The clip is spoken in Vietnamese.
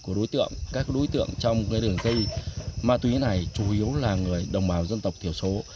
các đối tượng trong đường dây ma túy này chủ yếu là người đồng bào dân tộc thiểu số